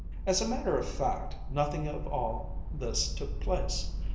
As a matter of fact, nothing of all this took place.